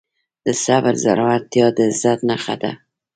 د صبر زړورتیا د عزت نښه ده.